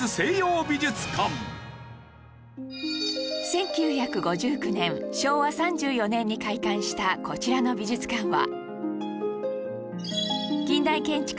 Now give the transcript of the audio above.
１９５９年昭和３４年に開館したこちらの美術館は